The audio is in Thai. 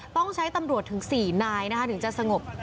ต้องใช้ตำรวจถึง๔นายนะคะถึงจะสงบ